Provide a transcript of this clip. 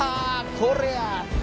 これや！